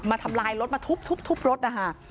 มาทำร้ายรถมาทุบรถอะฮะ